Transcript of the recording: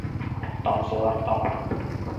Тамсылар тама.